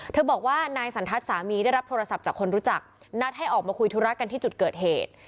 บอกว่านายสันทัศน์สามีได้รับโทรศัพท์จากคนรู้จักนัดให้ออกมาคุยธุระกันที่จุดเกิดเหตุ